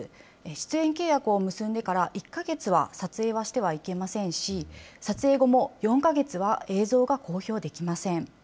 出演契約を結んでから１か月は撮影はしてはいけませんし、撮影後も４か月は映像が公表できません。